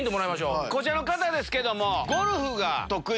こちらの方ですけども。